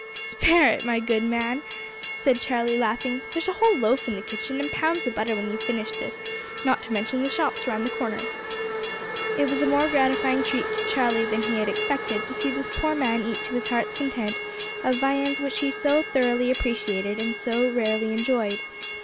"Spare it, my good man!" said Charlie, laughing. "There's a whole loaf in the kitchen and pounds of butter when you've finished this, not to mention the shops round the corner." It was a more gratifying treat to Charlie than he had expected, to see this poor man eat to his heart's content of viands which he so thoroughly appreciated and so rarely enjoyed.